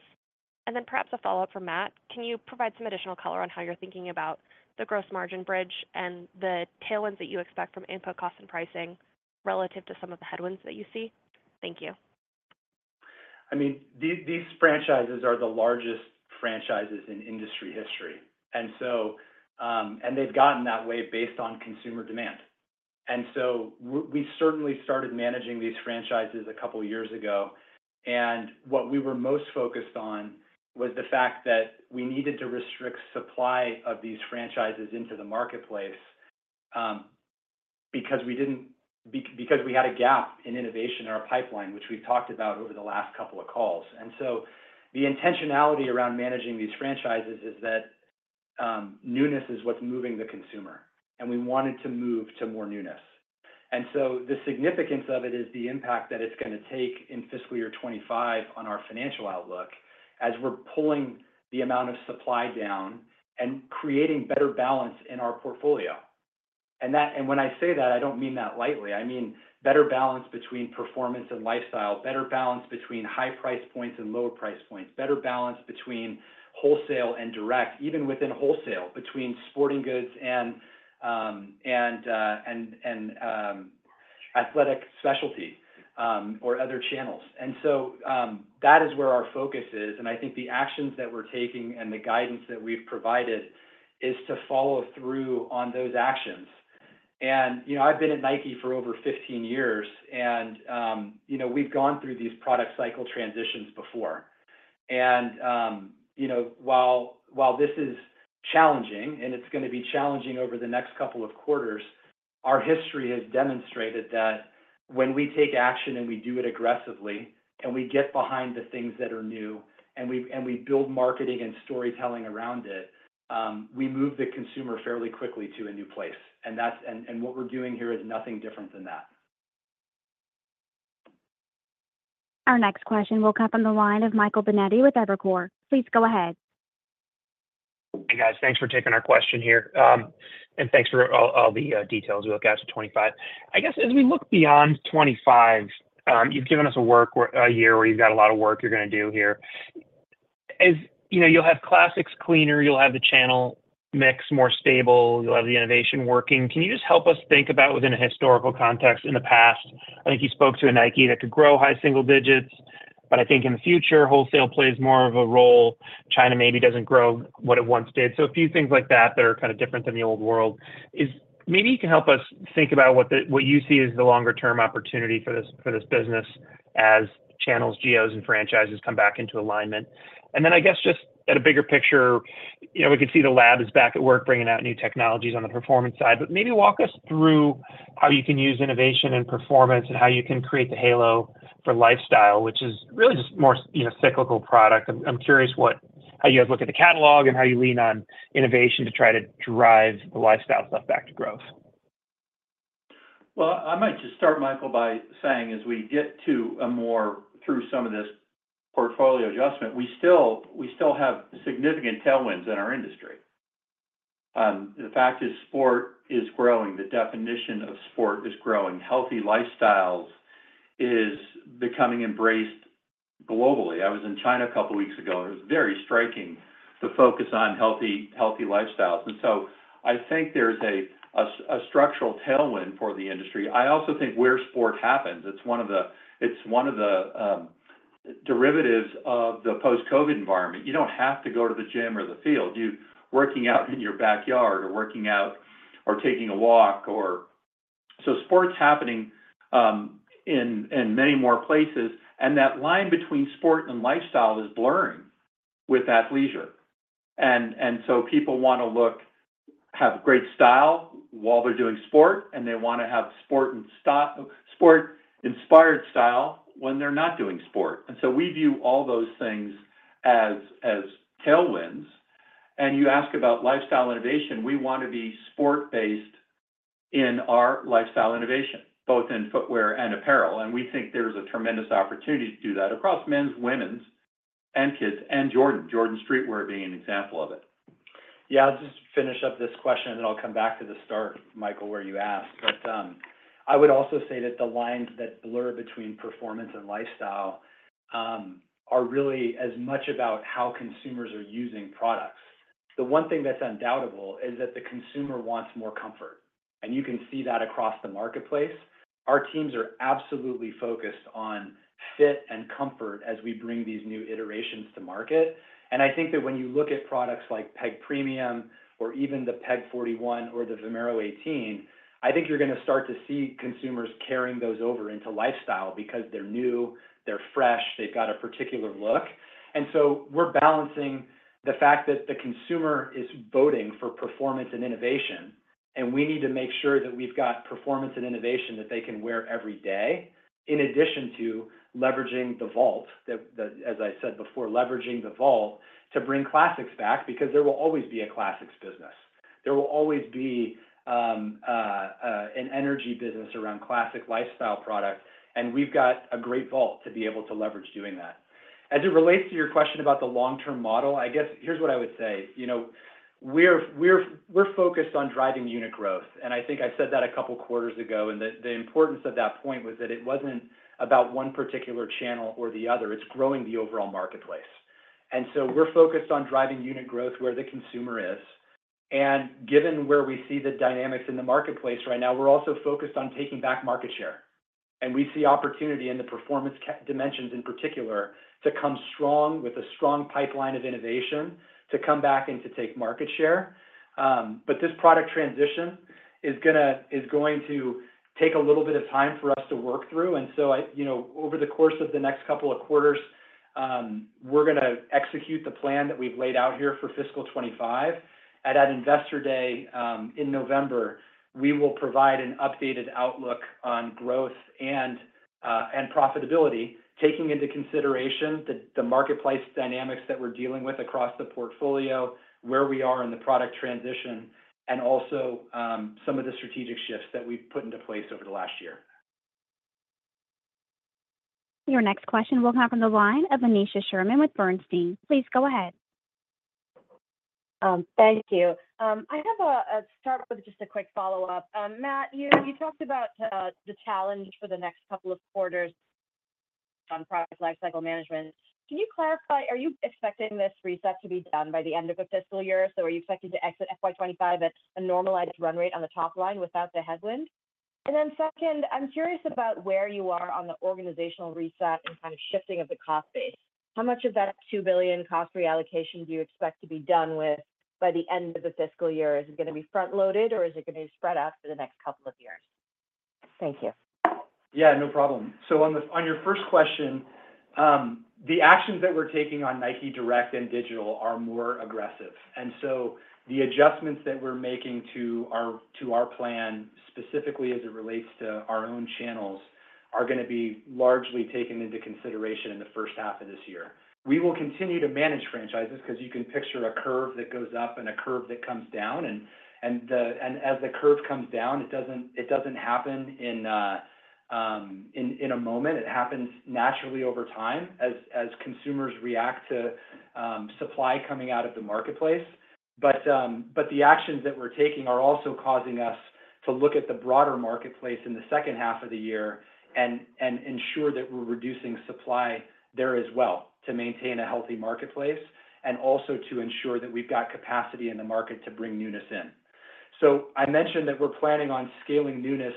And then perhaps a follow-up for Matt, can you provide some additional color on how you're thinking about the gross margin bridge and the tailwinds that you expect from input costs and pricing relative to some of the headwinds that you see? Thank you. I mean, these franchises are the largest franchises in industry history, and they've gotten that way based on consumer demand. And so we certainly started managing these franchises a couple of years ago, and what we were most focused on was the fact that we needed to restrict supply of these franchises into the marketplace because we had a gap in innovation in our pipeline, which we've talked about over the last couple of calls. And so the intentionality around managing these franchises is that newness is what's moving the consumer, and we wanted to move to more newness. And so the significance of it is the impact that it's going to take in fiscal year 2025 on our financial outlook as we're pulling the amount of supply down and creating better balance in our portfolio. And when I say that, I don't mean that lightly. I mean better balance between performance and lifestyle, better balance between high price points and low price points, better balance between wholesale and direct, even within wholesale, between sporting goods and athletic specialty or other channels. And so that is where our focus is, and I think the actions that we're taking and the guidance that we've provided is to follow through on those actions. And I've been at Nike for over 15 years, and we've gone through these product cycle transitions before. And while this is challenging, and it's going to be challenging over the next couple of quarters, our history has demonstrated that when we take action and we do it aggressively and we get behind the things that are new and we build marketing and storytelling around it, we move the consumer fairly quickly to a new place. What we're doing here is nothing different than that. Our next question will come from the line of Michael Binetti with Evercore. Please go ahead. Hey, guys. Thanks for taking our question here. Thanks for all the details. We look out to 2025. I guess as we look beyond 2025, you've given us a year where you've got a lot of work you're going to do here. You'll have classics cleaner. You'll have the channel mix more stable. You'll have the innovation working. Can you just help us think about within a historical context in the past? I think you spoke to a Nike that could grow high single digits, but I think in the future, wholesale plays more of a role. China maybe doesn't grow what it once did. So a few things like that that are kind of different than the old world. Maybe you can help us think about what you see as the longer-term opportunity for this business as channels, geos, and franchises come back into alignment. I guess just at a bigger picture, we can see the lab is back at work bringing out new technologies on the performance side. Maybe walk us through how you can use innovation and performance and how you can create the halo for lifestyle, which is really just more cyclical product. I'm curious how you guys look at the catalog and how you lean on innovation to try to drive the lifestyle stuff back to growth. Well, I might just start, Michael, by saying as we get to a more through some of this portfolio adjustment, we still have significant tailwinds in our industry. The fact is sport is growing. The definition of sport is growing. Healthy lifestyles is becoming embraced globally. I was in China a couple of weeks ago, and it was very striking the focus on healthy lifestyles. And so I think there's a structural tailwind for the industry. I also think where sport happens, it's one of the derivatives of the post-COVID environment. You don't have to go to the gym or the field. You're working out in your backyard or working out or taking a walk. So sport's happening in many more places, and that line between sport and lifestyle is blurring with athleisure. And so people want to look and have great style while they're doing sport, and they want to have sport-inspired style when they're not doing sport. And so we view all those things as tailwinds. And you ask about lifestyle innovation, we want to be sport-based in our lifestyle innovation, both in footwear and apparel. And we think there's a tremendous opportunity to do that across men's, women's, and kids, and Jordan. Jordan streetwear being an example of it. Yeah, I'll just finish up this question, and then I'll come back to the start, Michael, where you asked. But I would also say that the lines that blur between performance and lifestyle are really as much about how consumers are using products. The one thing that's undoubtable is that the consumer wants more comfort, and you can see that across the marketplace. Our teams are absolutely focused on fit and comfort as we bring these new iterations to market. I think that when you look at products like Pegasus Premium or even the Pegasus 41 or the Vomero 18, I think you're going to start to see consumers carrying those over into lifestyle because they're new, they're fresh, they've got a particular look. We're balancing the fact that the consumer is voting for performance and innovation, and we need to make sure that we've got performance and innovation that they can wear every day in addition to leveraging the vault, as I said before, leveraging the vault to bring classics back because there will always be a classics business. There will always be an energy business around classic lifestyle products, and we've got a great vault to be able to leverage doing that. As it relates to your question about the long-term model, I guess here's what I would say. We're focused on driving unit growth, and I think I said that a couple of quarters ago, and the importance of that point was that it wasn't about one particular channel or the other. It's growing the overall marketplace. And so we're focused on driving unit growth where the consumer is. And given where we see the dynamics in the marketplace right now, we're also focused on taking back market share. And we see opportunity in the performance dimensions in particular to come strong with a strong pipeline of innovation to come back and to take market share. But this product transition is going to take a little bit of time for us to work through. So over the course of the next couple of quarters, we're going to execute the plan that we've laid out here for fiscal 2025. At Investor Day in November, we will provide an updated outlook on growth and profitability, taking into consideration the marketplace dynamics that we're dealing with across the portfolio, where we are in the product transition, and also some of the strategic shifts that we've put into place over the last year. Your next question will come from the line of Aneesha Sherman with Bernstein. Please go ahead. Thank you. I'll start with just a quick follow-up. Matt, you talked about the challenge for the next couple of quarters on product lifecycle management. Can you clarify, are you expecting this reset to be done by the end of the fiscal year? So are you expecting to exit FY25 at a normalized run rate on the top line without the headwind? And then second, I'm curious about where you are on the organizational reset and kind of shifting of the cost base. How much of that $2 billion cost reallocation do you expect to be done with by the end of the fiscal year? Is it going to be front-loaded, or is it going to be spread out for the next couple of years? Thank you. Yeah, no problem. So on your first question, the actions that we're taking on Nike Direct and Digital are more aggressive. And so the adjustments that we're making to our plan, specifically as it relates to our own channels, are going to be largely taken into consideration in the first half of this year. We will continue to manage franchises because you can picture a curve that goes up and a curve that comes down. And as the curve comes down, it doesn't happen in a moment. It happens naturally over time as consumers react to supply coming out of the marketplace. But the actions that we're taking are also causing us to look at the broader marketplace in the second half of the year and ensure that we're reducing supply there as well to maintain a healthy marketplace and also to ensure that we've got capacity in the market to bring newness in. So I mentioned that we're planning on scaling newness.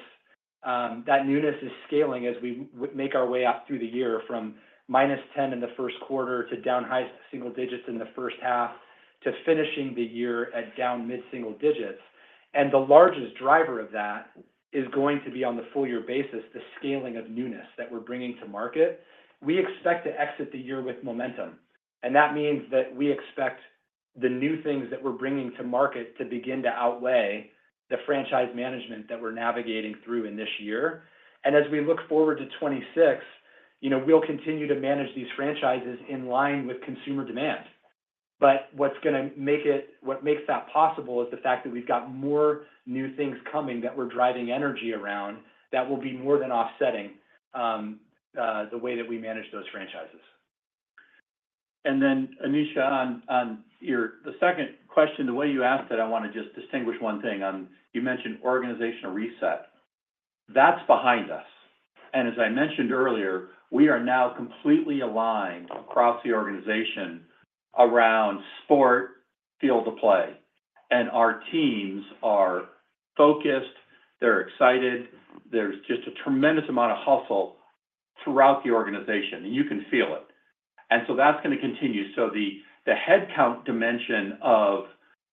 That newness is scaling as we make our way up through the year from -10 in the first quarter to down high single digits in the first half to finishing the year at down mid-single digits. And the largest driver of that is going to be on the full-year basis, the scaling of newness that we're bringing to market. We expect to exit the year with momentum. And that means that we expect the new things that we're bringing to market to begin to outweigh the franchise management that we're navigating through in this year. And as we look forward to 2026, we'll continue to manage these franchises in line with consumer demand. But what's going to make that possible is the fact that we've got more new things coming that we're driving energy around that will be more than offsetting the way that we manage those franchises. And then, Aneesha, on the second question, the way you asked it, I want to just distinguish one thing. You mentioned organizational reset. That's behind us. And as I mentioned earlier, we are now completely aligned across the organization around sport, field of play. And our teams are focused. They're excited. There's just a tremendous amount of hustle throughout the organization, and you can feel it. So that's going to continue. So the headcount dimension of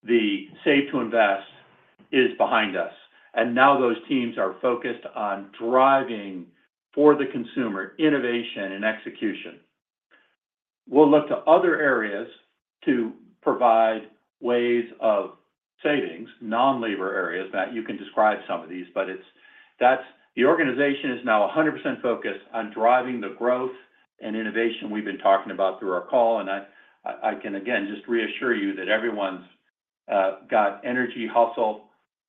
the Save to Invest is behind us. And now those teams are focused on driving for the consumer innovation and execution. We'll look to other areas to provide ways of savings, non-labor areas. Matt, you can describe some of these, but the organization is now 100% focused on driving the growth and innovation we've been talking about through our call. And I can, again, just reassure you that everyone's got energy, hustle,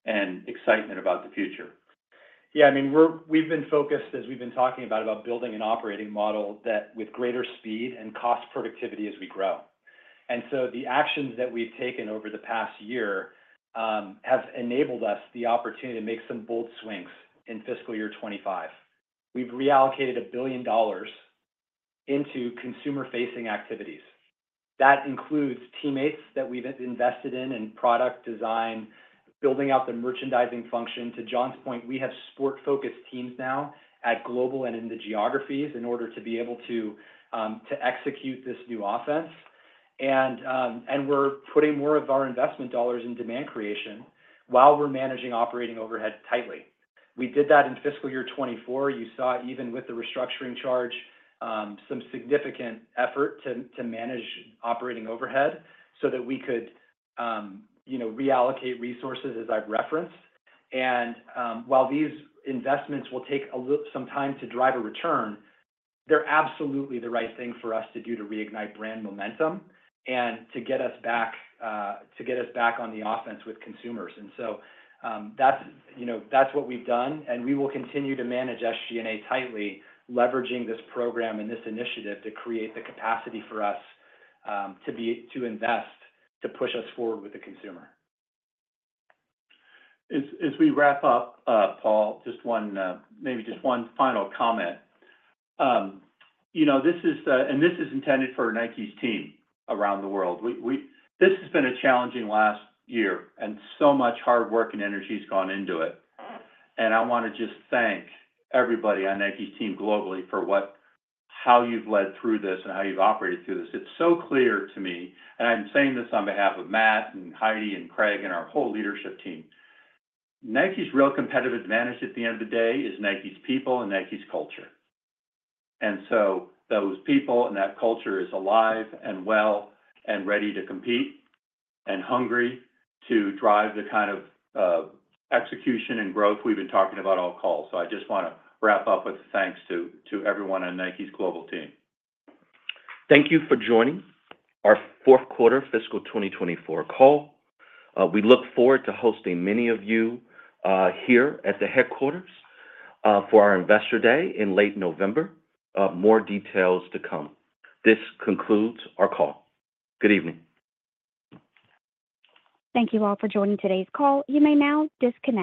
and excitement about the future. Yeah, I mean, we've been focused, as we've been talking about, about building an operating model with greater speed and cost productivity as we grow. And so the actions that we've taken over the past year have enabled us the opportunity to make some bold swings in fiscal year 2025. We've reallocated $1 billion into consumer-facing activities. That includes teammates that we've invested in and product design, building out the merchandising function. To John's point, we have sport-focused teams now at global and in the geographies in order to be able to execute this new offense. And we're putting more of our investment dollars in demand creation while we're managing operating overhead tightly. We did that in fiscal year 2024. You saw, even with the restructuring charge, some significant effort to manage operating overhead so that we could reallocate resources, as I've referenced. And while these investments will take some time to drive a return, they're absolutely the right thing for us to do to reignite brand momentum and to get us back on the offense with consumers. And so that's what we've done. We will continue to manage SG&A tightly, leveraging this program and this initiative to create the capacity for us to invest, to push us forward with the consumer. As we wrap up, Paul, maybe just one final comment. This is intended for Nike's team around the world. This has been a challenging last year, and so much hard work and energy has gone into it. I want to just thank everybody on Nike's team globally for how you've led through this and how you've operated through this. It's so clear to me, and I'm saying this on behalf of Matt and Heidi and Craig and our whole leadership team. Nike's real competitive advantage at the end of the day is Nike's people and Nike's culture. And so those people and that culture is alive and well and ready to compete and hungry to drive the kind of execution and growth we've been talking about all calls. So I just want to wrap up with thanks to everyone on Nike's global team. Thank you for joining our fourth quarter fiscal 2024 call. We look forward to hosting many of you here at the headquarters for our Investor Day in late November. More details to come. This concludes our call. Good evening. Thank you all for joining today's call. You may now disconnect.